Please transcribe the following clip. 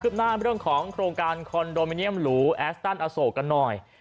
หน้าเรื่องของโครงการคอนโดมิเนียมหรูแอสตันอโศกกันหน่อย